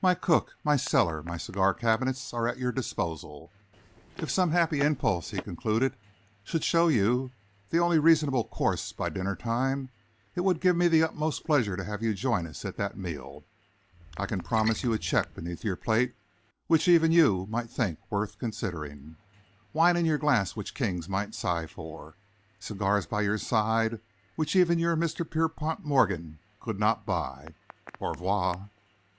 My cook, my cellar, my cigar cabinets, are at your disposal. If some happy impulse," he concluded, "should show you the only reasonable course by dinnertime, it would give me the utmost pleasure to have you join us at that meal. I can promise you a cheque beneath your plate which even you might think worth considering, wine in your glass which kings might sigh for, cigars by your side which even your Mr. Pierpont Morgan could not buy. Au revoir!"